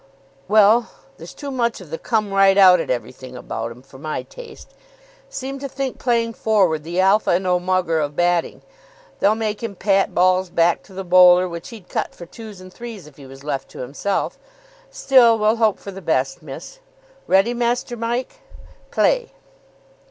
"Well, there's too much of the come right out at everything about 'em for my taste. Seem to think playing forward the alpha and omugger of batting. They'll make him pat balls back to the bowler which he'd cut for twos and threes if he was left to himself. Still, we'll hope for the best, miss. Ready, Master Mike? Play."